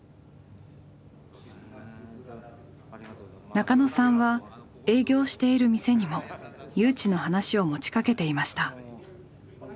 中野さんは営業している店にも誘致の話を持ちかけていました。